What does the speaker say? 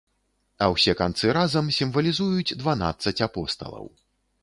А ўсе канцы разам сімвалізуюць дванаццаць апосталаў.